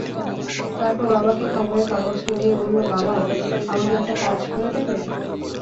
তারপর বাবাকে খবরের কাগজটি দিয়ে বলল, বাবা, আমাকে একটা কাজ করে দেবে?